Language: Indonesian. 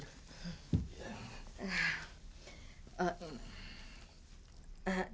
saya selalu berharap dengan dia